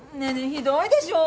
ひどいでしょ？